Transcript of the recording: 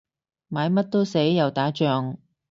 買乜都死，又打仗